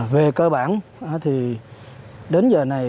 về cơ bản đến giờ này